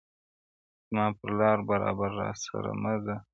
زما پر لاره برابر راسره مه ځه-